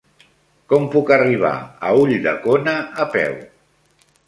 Com puc arribar a Ulldecona a peu?